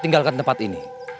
tinggalkan tempat ini